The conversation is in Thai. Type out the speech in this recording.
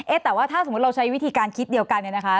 แต่ว่าถ้าสมมุติเราใช้วิธีการคิดเดียวกันเนี่ยนะคะ